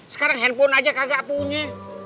sekarang handphone aja kagak punya